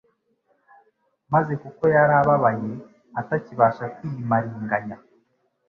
maze kuko yari ababaye, atakibasha kwiyimaringanya,